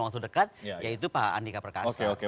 orang terdekat yaitu pak andika perkasa oke oke